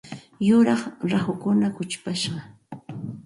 Yuraq rahukuna kuchupashqa.